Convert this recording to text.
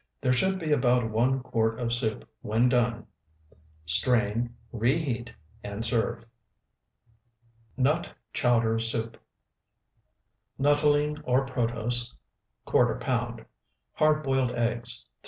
There should be about one quart of soup when done; strain, reheat, and serve. NUT CHOWDER SOUP Nuttolene or protose, ¼ pound. Hard boiled eggs, 3.